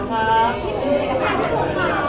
ขอบคุณค่ะพี่โฟสขอบคุณค่ะ